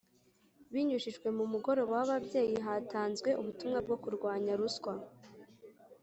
Binyujijwe mu Mugoroba w Ababyeyi hatanzwe ubutumwa bwo kurwanya ruswa